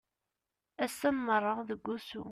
Ass-a nmerreɣ deg usu.